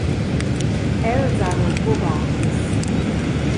Els han aunc buca barbas.